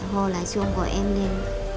họ lại xuống gọi em lên